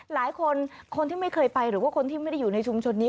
หลายคนคนที่ไม่เคยไปหรือว่าคนที่ไม่ได้อยู่ในชุมชนนี้